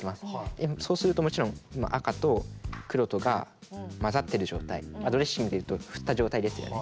でそうするともちろん今赤と黒とが混ざってる状態ドレッシングで言うと振った状態ですよね。